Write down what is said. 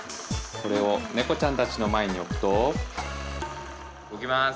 これをネコちゃんたちの前に置くと置きます